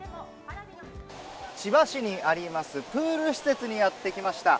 千葉市にあります、プール施設にやってきました。